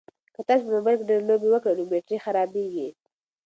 که تاسي په موبایل کې ډېرې لوبې وکړئ نو بېټرۍ خرابیږي.